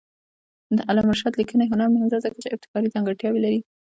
د علامه رشاد لیکنی هنر مهم دی ځکه چې ابتکاري ځانګړتیاوې لري.